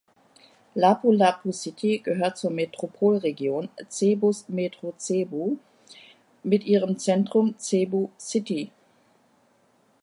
Lapu-Lapu City gehört zur Metropolregion Cebus Metro Cebu mit ihrem Zentrum Cebu City.